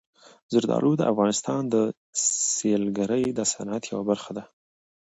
زردالو د افغانستان د سیلګرۍ د صنعت یوه برخه ده.